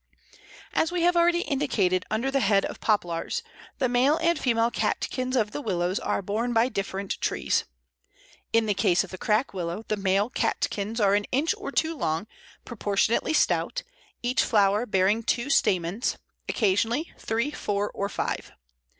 As we have already indicated under the head of Poplars, the male and female catkins of the Willows are borne by different trees. In the case of the Crack Willow, the male catkins are an inch or two long, proportionately stout, each flower bearing two stamens (occasionally three, four, or five).